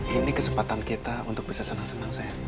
ini kesempatan kita untuk bisa senang senang sehat